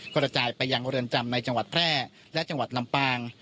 กระจายไปยังเรือนจำในจังหวัดแพร่และจังหวัดลำปาง